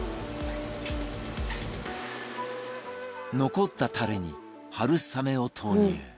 残ったタレに春雨を投入